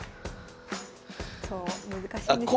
そう難しいんですよ